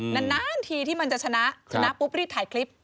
นานทีที่มันจะชนะชนะปุ๊บรีบถ่ายคลิป